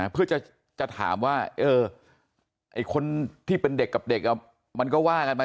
เพื่อจะถามว่าคนที่เป็นเด็กกับเด็กมันก็ว่ากันไป